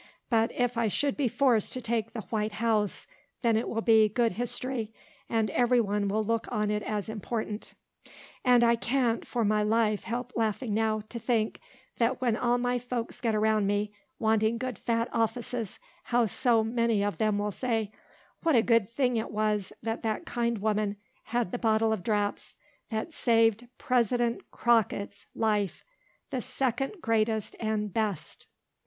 But if I should be forced to take the "white house," then it will be good history; and every one will look on it as important. And I can't, for my life, help laughing now, to think, that when all my folks get around me, wanting good fat offices, how so many of them will say, "What a good thing it was that that kind woman had the bottle of draps, that saved PRESIDENT CROCKETT'S life, the second greatest and best"!!!!!